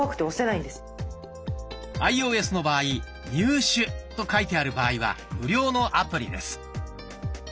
アイオーエスの場合「入手」と書いてある場合は無料のアプリです。